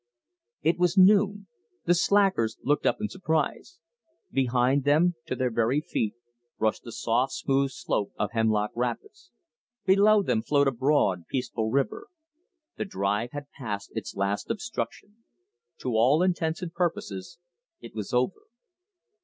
It was noon. The sackers looked up in surprise. Behind them, to their very feet, rushed the soft smooth slope of Hemlock Rapids. Below them flowed a broad, peaceful river. The drive had passed its last obstruction. To all intents and purposes it was over.